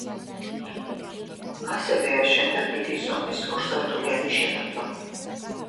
ასევე, აშენდა დიდი ზომის, ორსართულიანი შენობა.